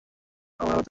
ওকে আমার মারার কথা।